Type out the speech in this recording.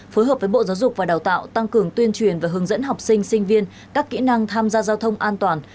phối hợp với bộ giáo dục và đào tạo tăng cường tuyên truyền và hướng dẫn học sinh sinh viên các kỹ năng tham gia giao thông an toàn